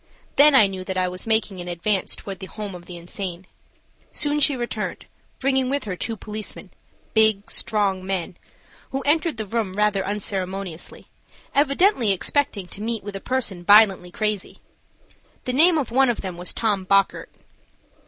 Then I knew that I was making an advance toward the home of the insane. Soon she returned, bringing with her two policemen–big, strong men–who entered the room rather unceremoniously, evidently expecting to meet with a person violently crazy. The name of one of them was Tom Bockert.